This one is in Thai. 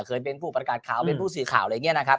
เคยเป็นผู้ประกาศข่าวเป็นผู้สื่อข่าวอะไรอย่างนี้นะครับ